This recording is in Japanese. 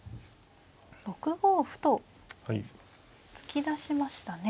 ６五歩と突き出しましたね。